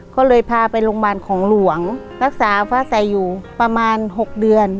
ก็เลยพาไปโรงพยาบาลของหลวงรักษาฟ้าใสอยู่ประมาณ๖เดือน